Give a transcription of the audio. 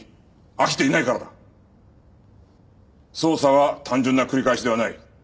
捜査は単純な繰り返しではない。